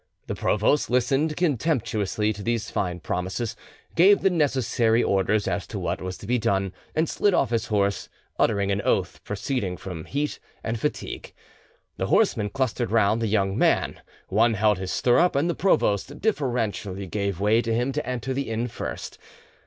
The provost listened contemptuously to these fine promises, gave the necessary orders as to what was to be done, and slid off his horse, uttering an oath proceeding from heat and fatigue. The horsemen clustered round the young man: one held his stirrup, and the provost deferentially gave way to him to enter the inn first.